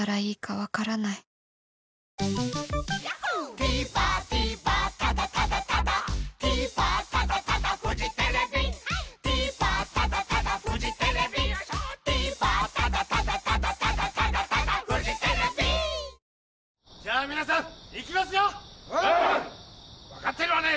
分かってるわね！